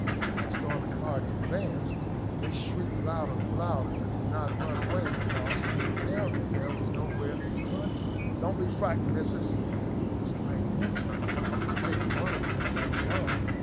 As the storming party advanced, they shrieked louder and louder, but did not run away, because apparently there was no where to run to. "Don't be frightened, missis," exclaimed Hemming, taking one of them by the arm.